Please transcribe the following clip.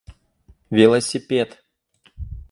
Велосипед!